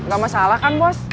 gak masalah kan bos